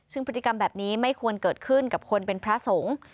ซึ่งพฤติกรรมแบบนี้ไม่ควรเกิดขึ้นกับคนเป็นพระสงฆ์